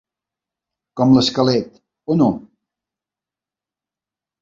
Com l'esquelet, o no?